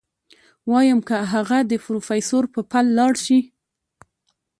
ويم که اغه د پروفيسر په پل لاړ شي.